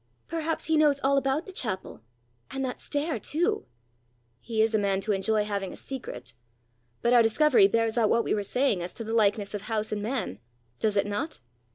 Perhaps he knows all about the chapel and that stair too!" "He is a man to enjoy having a secret! But our discovery bears out what we were saying as to the likeness of house and man does it not?"